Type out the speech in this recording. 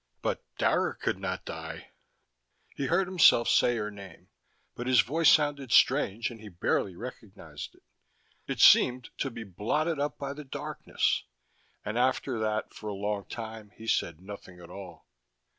But Dara could not die. He heard himself say her name, but his voice sounded strange and he barely recognized it. It seemed to be blotted up by the darkness. And after that, for a long time, he said nothing at all.